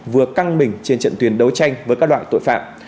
vừa căng mình trên trận tuyến đấu tranh với các loại tội phạm